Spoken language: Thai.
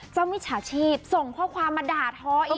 มิจฉาชีพส่งข้อความมาด่าทออีก